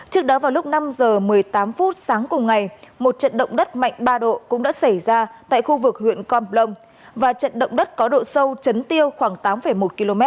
trước đó vào lúc năm h một mươi tám phút sáng cùng ngày một trận động đất mạnh ba độ cũng đã xảy ra tại khu vực huyện con plong và trận động đất có độ sâu chấn tiêu khoảng tám một km